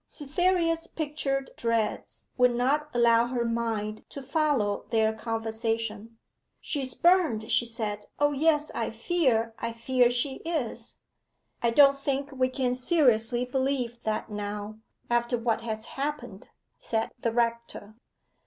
Cytherea's pictured dreads would not allow her mind to follow their conversation. 'She's burnt,' she said. 'O yes; I fear I fear she is!' 'I don't think we can seriously believe that now, after what has happened,' said the rector.